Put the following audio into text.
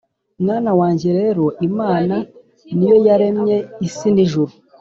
mwana wanjye rero imana ni yo yaremye isi n’ijuru